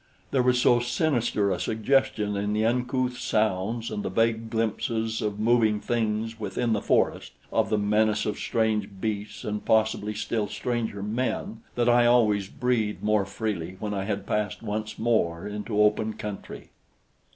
There was so sinister a suggestion in the uncouth sounds and the vague glimpses of moving things within the forest, of the menace of strange beasts and possibly still stranger men, that I always breathed more freely when I had passed once more into open country.